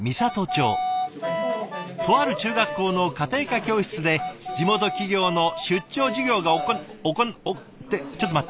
とある中学校の家庭科教室で地元企業の出張授業が行わ行っってちょっと待って。